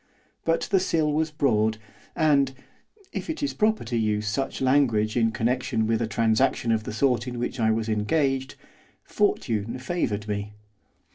But the sill was broad, and if it is proper to use such language in connection with a transaction of the sort in which I was engaged fortune favoured me.